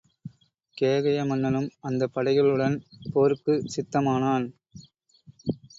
கேகய மன்னனும் அந்தப் படைகளுடன் போருக்குச் சித்தமானான்.